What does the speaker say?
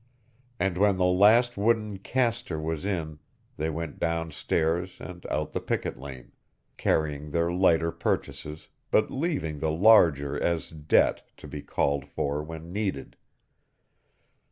And when the last wooden "castor" was in they went down stairs and out the picket lane, carrying their lighter purchases, but leaving the larger as "debt," to be called for when needed.